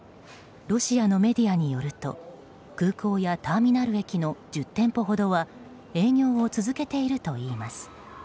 ロシアのメディアによると空港やターミナル駅の１０店舗ほどは営業を続けているといいます。